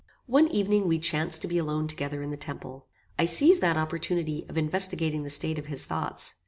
One evening we chanced to be alone together in the temple. I seized that opportunity of investigating the state of his thoughts.